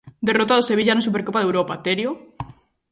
Derrota do Sevilla na Supercopa de Europa, Terio?